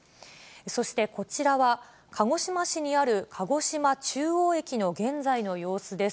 そして、こちらは、鹿児島市にある鹿児島中央駅の現在の様子です。